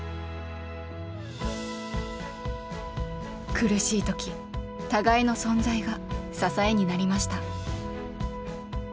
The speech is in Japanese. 苦しい時互いの存在が支えになりました。